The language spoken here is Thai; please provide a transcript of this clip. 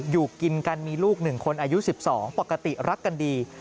อยู่กินกันมีลูก๑คนอายุ๑๒ปกติรักกันดี